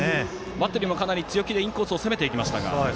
バッテリーもかなり強気でインコースを攻めていきました。